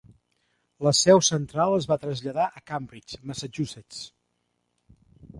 La seu central es va traslladar a Cambridge, Massachusetts.